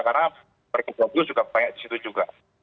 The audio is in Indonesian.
karena per g dua puluh juga banyak disitu juga